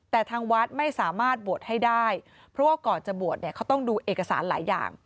แต่ทางวัดไม่สามารถบวชให้ได้เพราะว่าก่อนจะบวชเนี่ยเขาต้องดูเอกสารหลายอย่าง